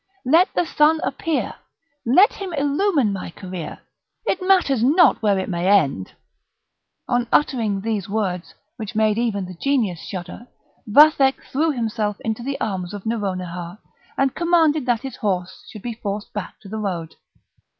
Let the sun appear! let him illumine my career! it matters not where it may end." On uttering these words, which made even the Genius shudder, Vathek threw himself into the arms of Nouronihar, and commanded that his horse should be forced back to the road.